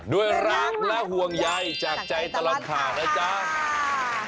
ด้วยรักและห่วงใยจากใจตลอดข่าวนะจ๊ะ